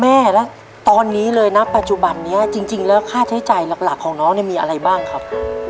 แม่แล้วตอนนี้เลยนะปัจจุบันนี้จริงแล้วค่าใช้จ่ายหลักของน้องเนี่ยมีอะไรบ้างครับ